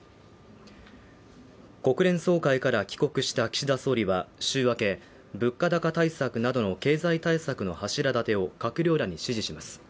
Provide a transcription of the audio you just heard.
国連総会から帰国した岸田総理は週明け物価高対策などの経済対策の柱だてを閣僚らに指示します